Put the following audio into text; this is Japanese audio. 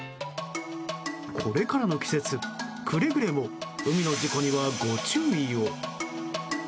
これからの季節、くれぐれも海の事故にはご注意を。